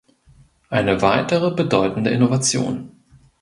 Eine weitere bedeutende Innovation.